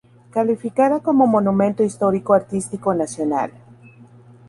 Calificada como Monumento Histórico Artístico Nacional.